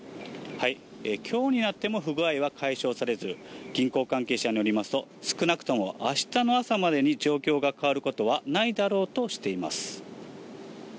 きょうになっても不具合は解消されず、銀行関係者によりますと、少なくともあしたの朝までに状況が変わることはないだろうとしています。